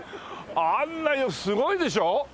あんなにすごいでしょ？